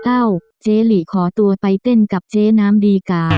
เอ้าเจ๊หลีขอตัวไปเต้นกับเจ๊น้ำดีกา